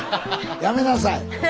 やめなさい！